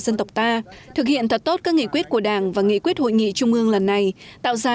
dân tộc ta thực hiện thật tốt các nghị quyết của đảng và nghị quyết hội nghị trung ương lần này tạo ra